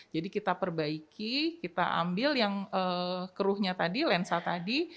jadi kita perbaiki kita ambil yang keruhnya tadi lensa tadi